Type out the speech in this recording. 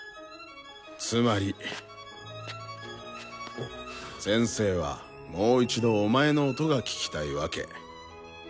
つまり先生はもう一度お前の音が聴きたいわけ。